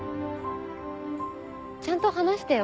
ちゃんと話してよ。